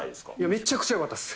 めちゃくちゃよかったです。